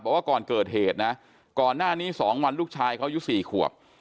บอกว่าก่อนเกิดเหตุนะก่อนหน้านี้๒วันลูกชายเขาอายุ๔ขวบ